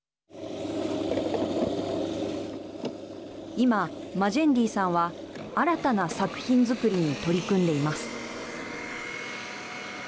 今、マジェンディーさんは新たな作品作りに取り組んでいます。